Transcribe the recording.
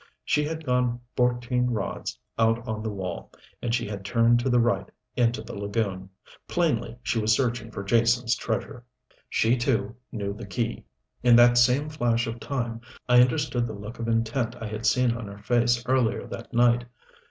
She had gone fourteen rods out on the wall, and then she had turned to the right into the lagoon. Plainly she was searching for Jason's treasure. She, too, knew the key. In that same flash of time, I understood the look of intent I had seen on her face earlier that night.